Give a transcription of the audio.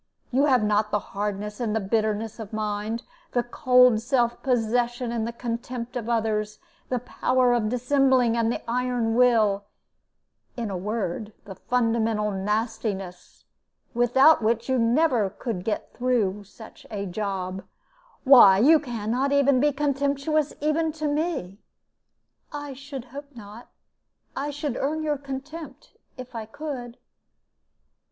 You have not the hardness and bitterness of mind, the cold self possession and contempt of others, the power of dissembling and the iron will in a word, the fundamental nastiness, without which you never could get through such a job. Why, you can not be contemptuous even to me!" "I should hope not. I should earn your contempt, if I could."